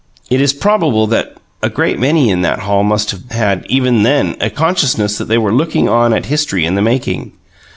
It is probable that a great many in that hall must have had, even then, a consciousness that they were looking on at History in the Making.